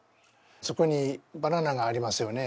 そこにバナナがありますよね。